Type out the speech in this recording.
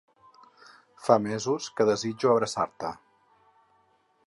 Fa mesos que desitjo abraçar-te.